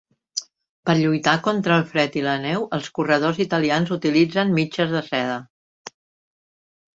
Per lluitar contra el fred i la neu, els corredors italians utilitzen mitges de seda.